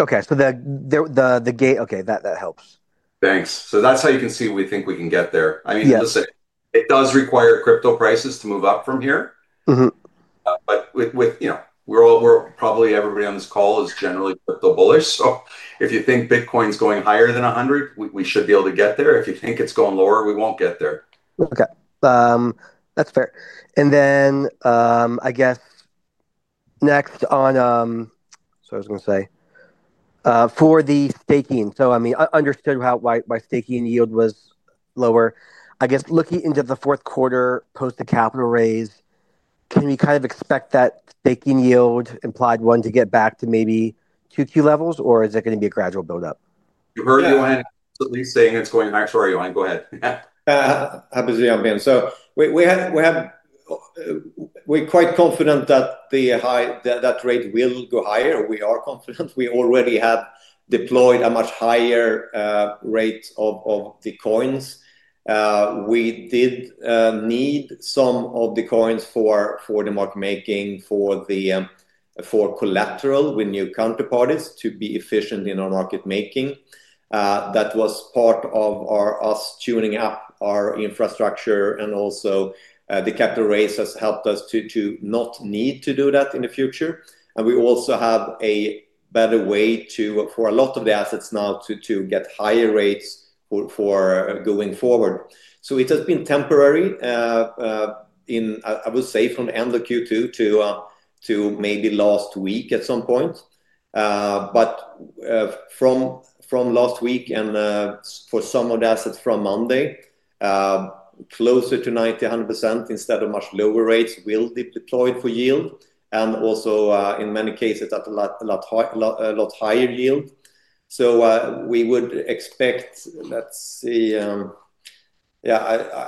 Okay. The gate, okay, that helps. Thanks. That is how you can see we think we can get there. I mean, listen, it does require crypto prices to move up from here. But we are probably, everybody on this call is generally crypto bullish. If you think Bitcoin is going higher than 100, we should be able to get there. If you think it is going lower, we will not get there. Okay. That's fair. I guess next on, I was going to say for the staking. I mean, I understood why staking yield was lower. I guess looking into the fourth quarter post the capital raise, can we kind of expect that staking yield implied one to get back to maybe 2Q levels, or is it going to be a gradual buildup? You heard Johan absolutely saying it's going back. Sorry, Johan. Go ahead. Happy to see you, Ben. We are quite confident that that rate will go higher. We are confident. We already have deployed a much higher rate of the coins. We did need some of the coins for the market making, for collateral with new counterparties to be efficient in our market making. That was part of us tuning up our infrastructure. The capital raise has helped us to not need to do that in the future. We also have a better way for a lot of the assets now to get higher rates going forward. It has been temporary, I would say, from the end of Q2 to maybe last week at some point. From last week and for some of the assets from Monday, closer to 90-100% instead of much lower rates will be deployed for yield. Also in many cases, a lot higher yield. We would expect, let's see, yeah,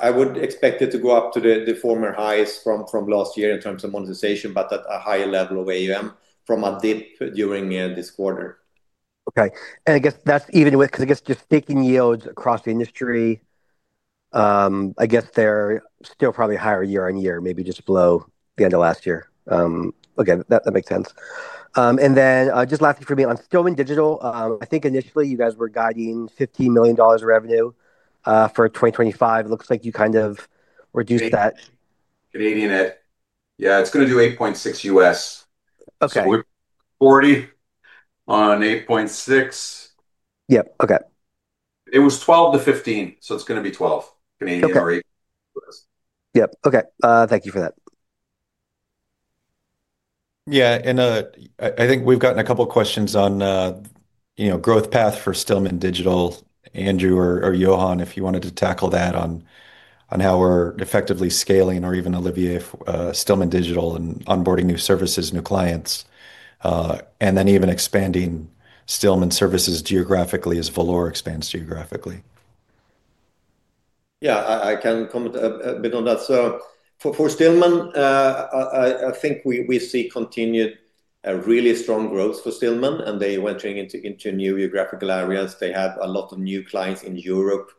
I would expect it to go up to the former highs from last year in terms of monetization, but at a higher level of AUM from a dip during this quarter. Okay. I guess that's even with because I guess just staking yields across the industry, I guess they're still probably higher year on year, maybe just below the end of last year. Okay. That makes sense. Lastly for me on Stillman Digital, I think initially you guys were guiding $15 million revenue for 2025. It looks like you kind of reduced that. Canadian Ed. Yeah. It's going to do $8.6 U.S. So we're 40 on $8.6. Yeah. Okay. It was 12-15. So it's going to be 12, Canadian or U.S.. Yep. Okay. Thank you for that. Yeah. I think we've gotten a couple of questions on growth path for Stillman Digital. Andrew or Johan, if you wanted to tackle that on how we're effectively scaling or even Olivier, Stillman Digital and onboarding new services, new clients, and then even expanding Stillman services geographically as Valour expands geographically. Yeah. I can comment a bit on that. For Stillman, I think we see continued really strong growth for Stillman. They went into new geographical areas. They have a lot of new clients in Europe.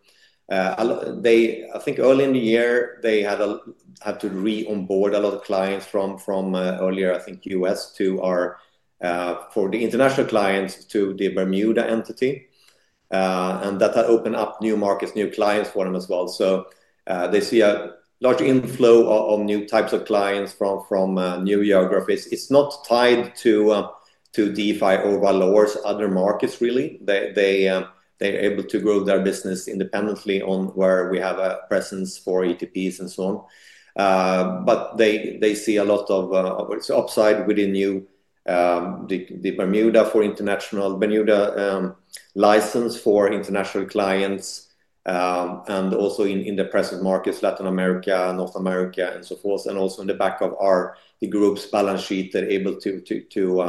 I think early in the year, they had to re-onboard a lot of clients from earlier, I think, U.S. for the international clients to the Bermuda entity. That opened up new markets, new clients for them as well. They see a large inflow of new types of clients from new geographies. It's not tied to DeFi or Valour's other markets, really. They're able to grow their business independently on where we have a presence for ETPs and so on. They see a lot of upside within the Bermuda license for international clients and also in the present markets, Latin America, North America, and so forth. Also in the back of the group's balance sheet, they're able to do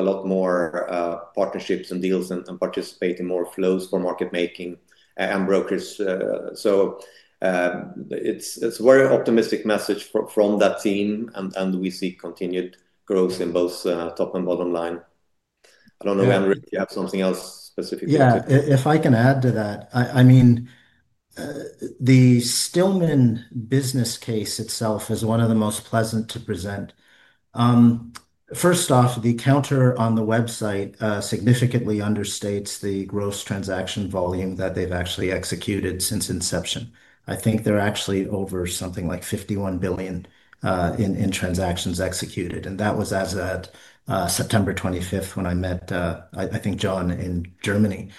a lot more partnerships and deals and participate in more flows for market making and brokers. It is a very optimistic message from that team. We see continued growth in both top and bottom line. I do not know, Andrew, if you have something else specifically to. Yeah. If I can add to that, I mean, the Stillman business case itself is one of the most pleasant to present. First off, the counter on the website significantly understates the gross transaction volume that they have actually executed since inception. I think they are actually over something like $51 billion in transactions executed. That was as of September 25, when I met, I think, John in Germany.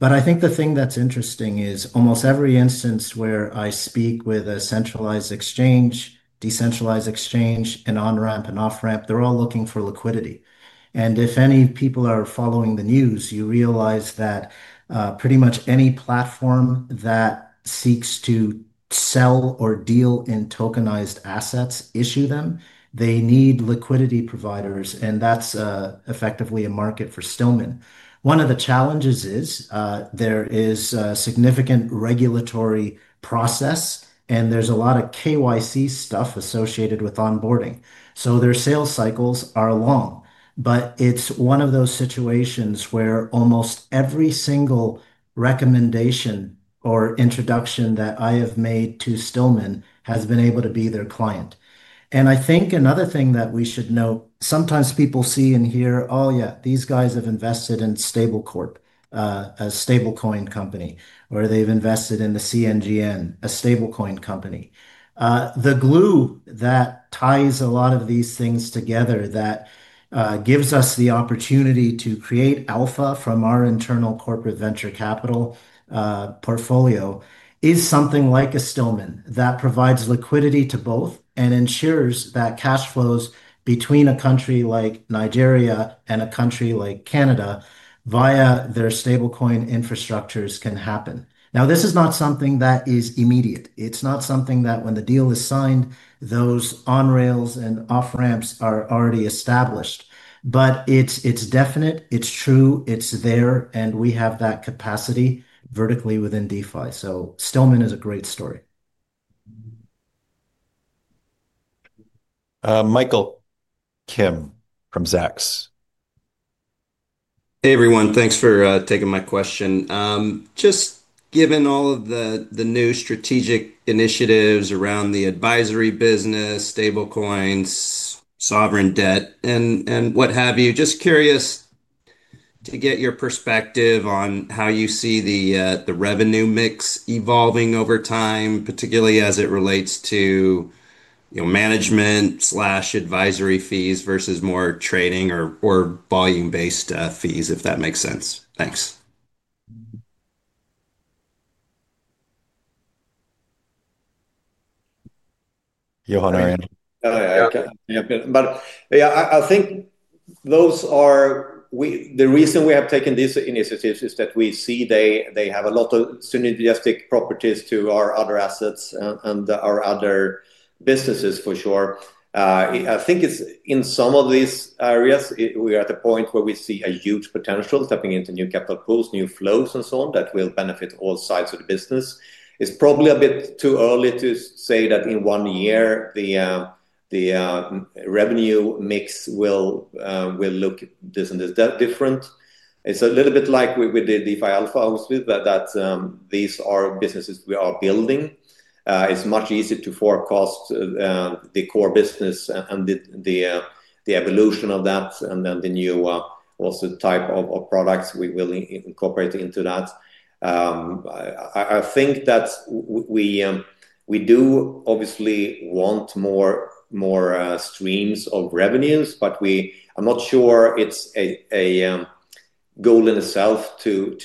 I think the thing that's interesting is almost every instance where I speak with a centralized exchange, decentralized exchange, an on-ramp, an off-ramp, they're all looking for liquidity. If any people are following the news, you realize that pretty much any platform that seeks to sell or deal in tokenized assets, issue them, they need liquidity providers. That's effectively a market for Stillman. One of the challenges is there is a significant regulatory process, and there's a lot of KYC stuff associated with onboarding. Their sales cycles are long. It's one of those situations where almost every single recommendation or introduction that I have made to Stillman has been able to be their client. I think another thing that we should note, sometimes people see and hear, "Oh, yeah, these guys have invested in Canada Stable Corp, a stablecoin company," or, "They've invested in the CNGN, a stablecoin company." The glue that ties a lot of these things together that gives us the opportunity to create alpha from our internal corporate venture capital portfolio is something like a Stillman Digital that provides liquidity to both and ensures that cash flows between a country like Nigeria and a country like Canada via their stablecoin infrastructures can happen. Now, this is not something that is immediate. It's not something that when the deal is signed, those on-rails and off-ramps are already established. It is definite. It is true. It is there. We have that capacity vertically within DeFi Technologies. Stillman Digital is a great story. Michael, Kim from Zacks. Hey, everyone. Thanks for taking my question. Just given all of the new strategic initiatives around the advisory business, stablecoins, sovereign debt, and what have you, just curious to get your perspective on how you see the revenue mix evolving over time, particularly as it relates to management/advisory fees versus more trading or volume-based fees, if that makes sense. Thanks. Johan, Ariana. Yeah. Yeah. But yeah, I think the reason we have taken these initiatives is that we see they have a lot of synergistic properties to our other assets and our other businesses, for sure. I think in some of these areas, we are at a point where we see a huge potential stepping into new capital pools, new flows, and so on that will benefit all sides of the business. It's probably a bit too early to say that in one year the revenue mix will look this and this different. It's a little bit like with the DeFi Alpha, obviously, that these are businesses we are building. It's much easier to forecast the core business and the evolution of that and then the new also type of products we will incorporate into that. I think that we do obviously want more streams of revenues, but I'm not sure it's a goal in itself to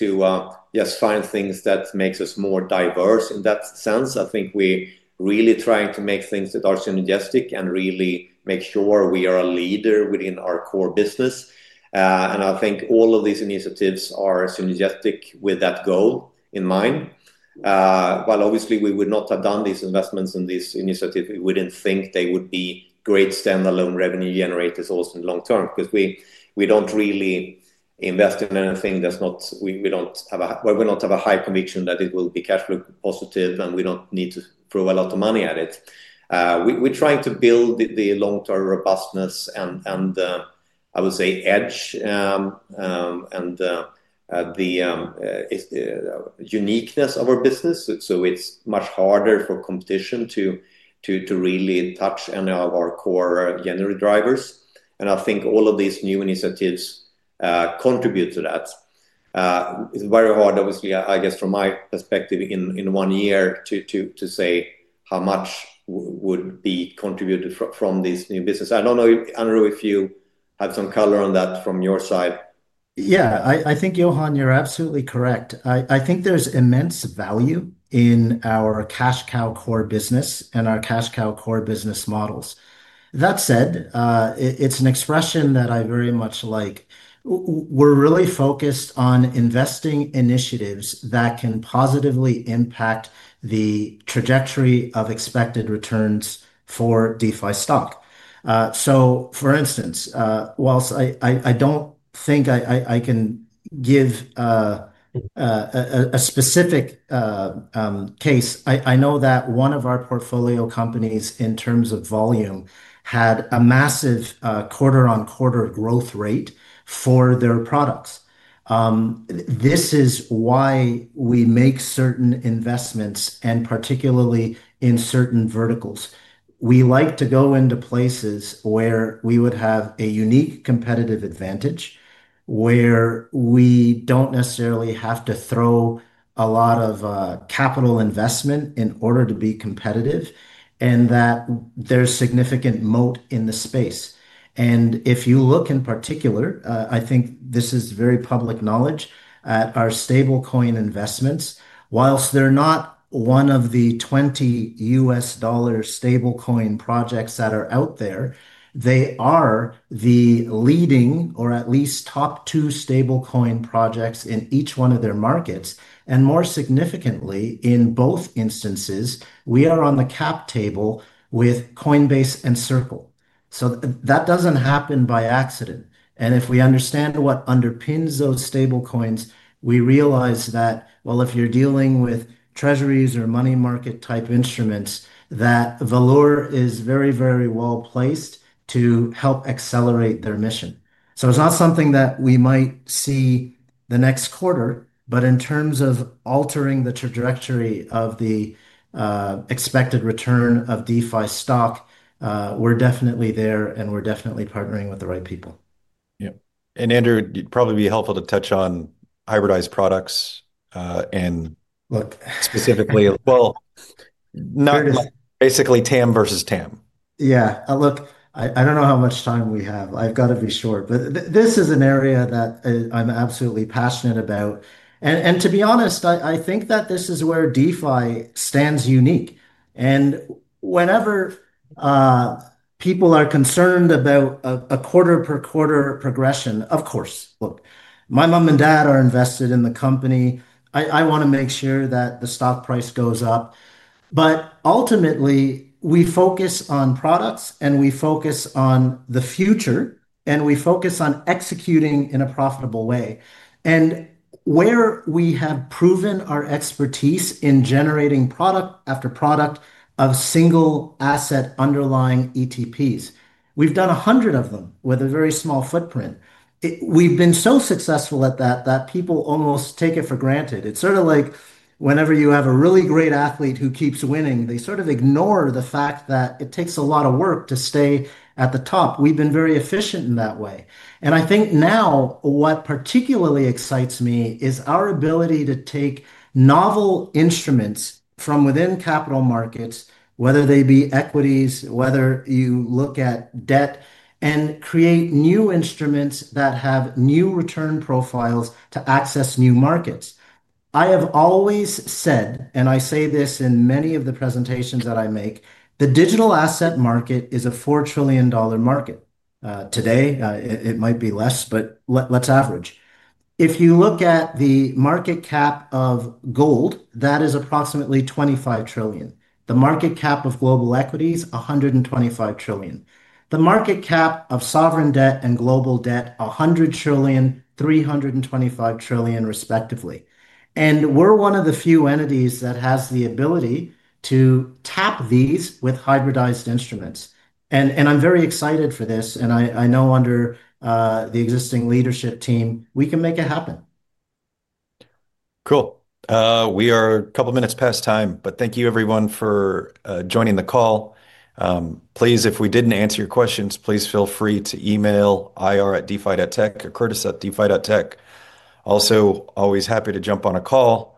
just find things that makes us more diverse in that sense. I think we're really trying to make things that are synergistic and really make sure we are a leader within our core business. I think all of these initiatives are synergistic with that goal in mind. While obviously we would not have done these investments in this initiative, we wouldn't think they would be great standalone revenue generators also in the long term because we don't really invest in anything that's not we don't have a we're not of a high conviction that it will be cash flow positive, and we don't need to throw a lot of money at it. We're trying to build the long-term robustness and, I would say, edge and the uniqueness of our business. It is much harder for competition to really touch any of our core generator drivers. I think all of these new initiatives contribute to that. It is very hard, obviously, I guess, from my perspective in one year to say how much would be contributed from this new business. I do not know, Andrew, if you have some color on that from your side. Yeah. I think, Johan, you are absolutely correct. I think there is immense value in our cash cow core business and our cash cow core business models. That said, it is an expression that I very much like. We are really focused on investing initiatives that can positively impact the trajectory of expected returns for DeFi stock. For instance, whilst I don't think I can give a specific case, I know that one of our portfolio companies in terms of volume had a massive quarter-on-quarter growth rate for their products. This is why we make certain investments and particularly in certain verticals. We like to go into places where we would have a unique competitive advantage, where we don't necessarily have to throw a lot of capital investment in order to be competitive, and that there's significant moat in the space. If you look in particular, I think this is very public knowledge at our stablecoin investments. Whilst they're not one of the 20 U.S. dollar stablecoin projects that are out there, they are the leading or at least top two stablecoin projects in each one of their markets. More significantly, in both instances, we are on the cap table with Coinbase and Circle. That does not happen by accident. If we understand what underpins those stablecoins, we realize that, if you are dealing with treasuries or money market type instruments, Valour is very, very well placed to help accelerate their mission. It is not something that we might see the next quarter, but in terms of altering the trajectory of the expected return of DeFi stock, we are definitely there and we are definitely partnering with the right people. Yeah. Andrew, it'd probably be helpful to touch on hybridized products and specifically, basically TAM versus TAM. Yeah. Look, I do not know how much time we have. I have got to be sure. This is an area that I am absolutely passionate about. To be honest, I think that this is where DeFi stands unique. Whenever people are concerned about a quarter-per-quarter progression, of course, look, my mom and dad are invested in the company. I want to make sure that the stock price goes up. Ultimately, we focus on products and we focus on the future and we focus on executing in a profitable way. Where we have proven our expertise in generating product after product of single asset underlying ETPs. We have done a hundred of them with a very small footprint. We have been so successful at that that people almost take it for granted. It's sort of like whenever you have a really great athlete who keeps winning, they sort of ignore the fact that it takes a lot of work to stay at the top. We've been very efficient in that way. I think now what particularly excites me is our ability to take novel instruments from within capital markets, whether they be equities, whether you look at debt, and create new instruments that have new return profiles to access new markets. I have always said, and I say this in many of the presentations that I make, the digital asset market is a $4 trillion market. Today, it might be less, but let's average. If you look at the market cap of gold, that is approximately $25 trillion. The market cap of global equities, $125 trillion. The market cap of sovereign debt and global debt, $100 trillion, $325 trillion, respectively. We are one of the few entities that has the ability to tap these with hybridized instruments. I am very excited for this. I know under the existing leadership team, we can make it happen. Cool. We are a couple of minutes past time, but thank you, everyone, for joining the call. Please, if we did not answer your questions, please feel free to email ir@defi.tech or curtis@defi.tech. Also, always happy to jump on a call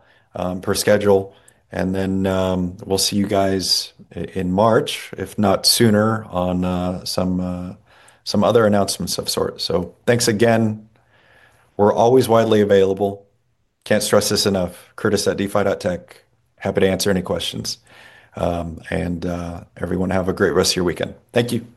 per schedule. We will see you guys in March, if not sooner, on some other announcements of sorts. Thanks again. We are always widely available. Cannot stress this enough. curtis@defi.tech. Happy to answer any questions. Everyone, have a great rest of your weekend. Thank you. Bye.